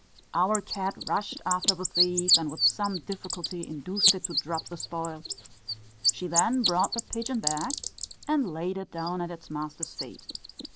Our cat rushed after the thief, and with some difficulty induced it to drop the spoil; she then brought the pigeon back and laid it down at its master's feet."